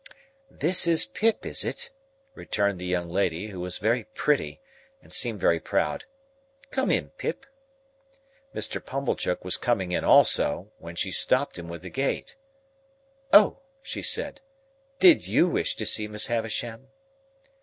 "This is Pip, is it?" returned the young lady, who was very pretty and seemed very proud; "come in, Pip." Mr. Pumblechook was coming in also, when she stopped him with the gate. "Oh!" she said. "Did you wish to see Miss Havisham?"